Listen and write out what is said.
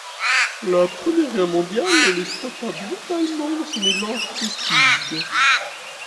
La Première Guerre mondiale le stoppe brutalement dans son élan artistique.